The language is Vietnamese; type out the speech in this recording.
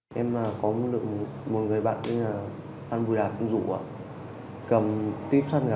ném chai về ném ôm xăng